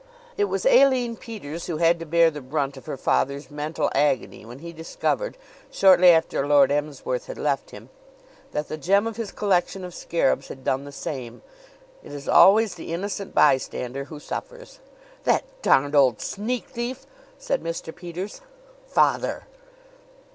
It was Aline Peters who had to bear the brunt of her father's mental agony when he discovered, shortly after Lord Emsworth had left him, that the gem of his collection of scarabs had done the same. It is always the innocent bystander who suffers. "The darned old sneak thief!" said Mr. Peters. "Father!"